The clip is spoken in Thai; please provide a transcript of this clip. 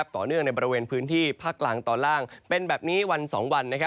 ในบริเวณพื้นที่ภาคกลางตอนล่างเป็นแบบนี้วัน๒วัน